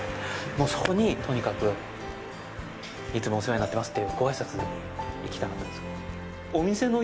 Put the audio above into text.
もうそこにとにかくいつもお世話になってますというご挨拶に行きたかったんです。